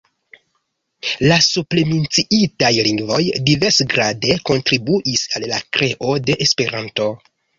La supremenciitaj lingvoj diversgrade kontribuis al la kreo de Esperanto.